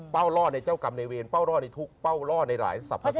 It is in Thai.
เป้าล่อในเจ้ากรรมในเวรเป้าล่อในทุกข์เป้าล่อในหลายศัพท์ประสิทธิ์